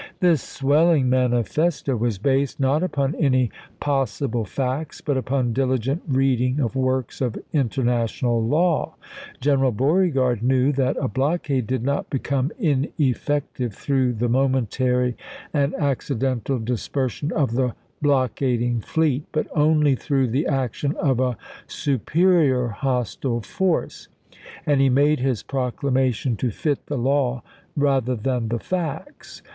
This swelling manifesto was based, not upon any pos sible facts, but upon diligent reading of works of international law. General Beauregard knew that a blockade did not become ineffective through the momentary and accidental dispersion of the block ading fleet, but only through the action of a supe rior hostile force, and he made his proclamation to fit the law rather than the facts.